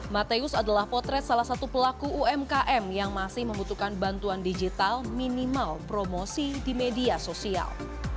mateus adalah potret salah satu pelaku umkm yang masih membutuhkan bantuan digital minimal promosi di media sosial